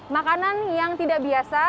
makanan yang tidak biasa